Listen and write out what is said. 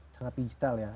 sangat digital ya